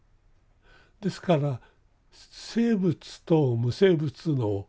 ですから生物と無生物のこの定義